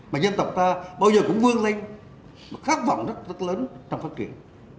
mà dân tộc ta bao giờ cũng vương linh khát vọng rất lớn trong phát triển